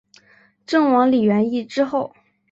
郑王李元懿之后。